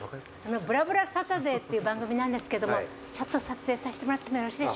『ぶらぶらサタデー』っていう番組なんですけどもちょっと撮影させてもらってもよろしいでしょう？